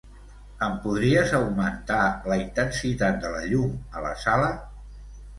Em podries augmentar la intensitat de la llum a la sala?